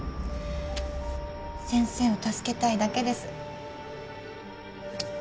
先生を助けたいだけです。